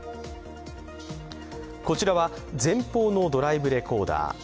こちらは、前方のドライブレコーダー。